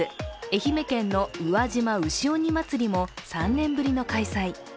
愛媛県のうわじま牛鬼まつりも３年ぶりの開催。